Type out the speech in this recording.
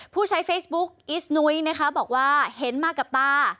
ผู้ใช้เฟซบุ๊กอิสนุ้ยนะคะบอกว่าเห็นมากับตา